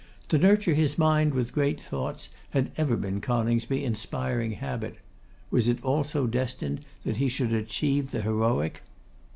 To nurture his mind with great thoughts had ever been Coningsby's inspiring habit. Was it also destined that he should achieve the heroic?